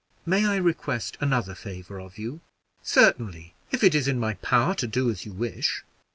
May I request another favor of you?" "Certainly, if it is in my power to do as you wish."